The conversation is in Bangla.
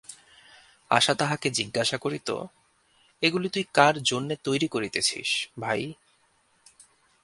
আশা তাহাকে জিজ্ঞাসা করিত, এগুলি তুই কার জন্যে তৈরি করিতেছিস, ভাই।